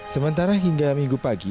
sementara hingga minggu pagi